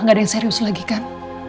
gak ada yang serius lagi kan